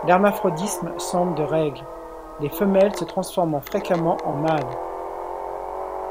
L’hermaphrodisme semble de règle, les femelles se transformant fréquemment en mâles.